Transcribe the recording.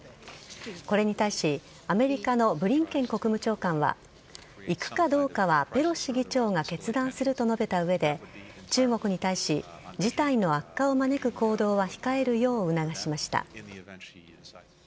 これに対し、アメリカのブリンケン国務長官は、行くかどうかはペロシ議長が決断すると述べたうえで、中国に対し、事態の悪化を招く行動は控えるよう促しました。